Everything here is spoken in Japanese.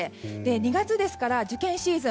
２月ですから受験シーズン。